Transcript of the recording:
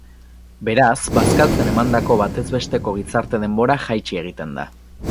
Beraz, bazkaltzen emandako batez besteko gizarte-denbora jaitsi egiten da.